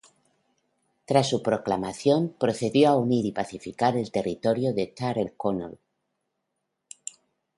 Tras su proclamación, procedió a unir y pacificar el territorio de Tyrconnell.